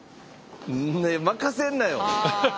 で任せんなよ。